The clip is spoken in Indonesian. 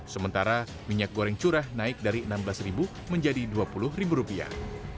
sementara minyak goreng curah naik dari enam belas menjadi dua puluh rupiah